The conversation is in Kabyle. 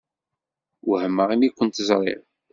Wehmeɣ imi kent-ẓṛiɣ.